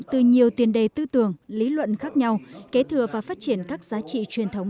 từ nhiều tiền đề tư tưởng lý luận khác nhau kế thừa và phát triển các giá trị truyền thống